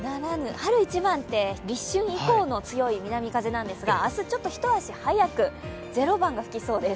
春一番って立春以降の強い南風なんですが明日ちょっと一足早くゼロ番が吹きそうです。